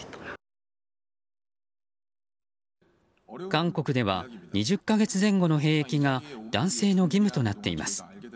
韓国では２０か月前後の兵役が男性の義務となっています。